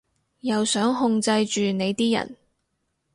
又想控制住你啲人